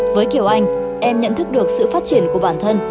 với kiều anh em nhận thức được sự phát triển của bản thân